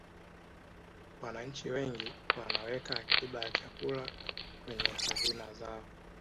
wananchi wengi wanaweka akiba ya chakula kwenye hadhina zao